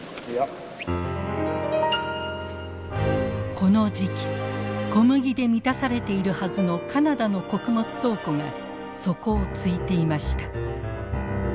この時期小麦で満たされているはずのカナダの穀物倉庫が底をついていました。